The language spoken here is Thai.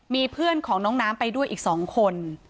มีเพื่อนของน้องน้ำไปด้วยอีก๒คน